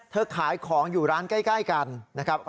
ขายของอยู่ร้านใกล้กันนะครับ